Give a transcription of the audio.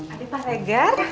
adi pak regar